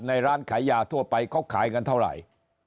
ร้านขายยาทั่วไปเขาขายกันเท่าไหร่